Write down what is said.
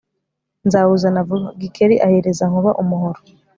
nzawuzana vuba » Gikeli ahereza Nkuba umuhoro